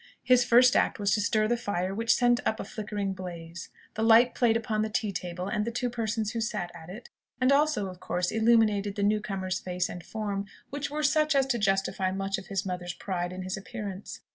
His first act was to stir the fire, which sent up a flickering blaze. The light played upon the tea table and the two persons who sat at it; and also, of course, illuminated the new comer's face and form, which were such as to justify much of his mother's pride in his appearance.